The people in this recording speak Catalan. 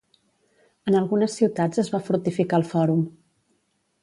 En algunes ciutats es va fortificar el fòrum.